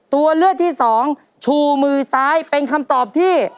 ตัวเลือกที่สองชูมือซ้ายเป็นคำตอบที่